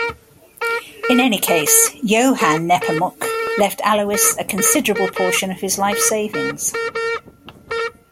In any case, Johann Nepomuk left Alois a considerable portion of his life savings.